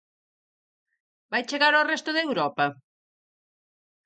Vai chegar ao resto de Europa?